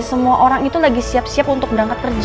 semua orang itu lagi siap siap untuk berangkat kerja